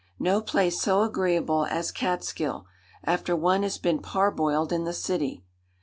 No place so agreeable as Catskill, after one has been parboiled in the city.